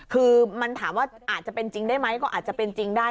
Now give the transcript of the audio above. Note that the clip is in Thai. คือมันถามว่าอาจจะเป็นจริงได้ไหมก็อาจจะเป็นจริงได้